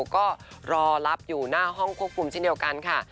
ก็รอรับอยู่หน้าห้องควบคุมเช่นเดียวกันค่ะ